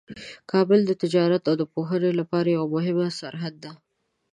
کابل د تجارت او پوهنې لپاره یوه مهمه سرحد ده.